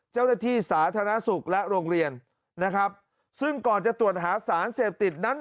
เจ้าหน้าที่สาธารณสุขและโรงเรียนนะครับซึ่งก่อนจะตรวจหาสารเสพติดนั้น